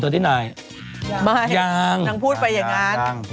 ยังนางพูดไปอย่างงั้น